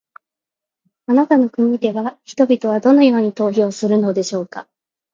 あなたの国では人々はどのように投票するのでしょうか。